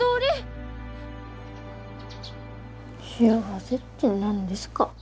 幸せって何ですか？